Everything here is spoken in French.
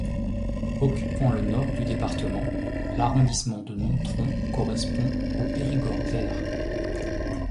Occupant le nord du département, l'arrondissement de Nontron correspond au Périgord vert.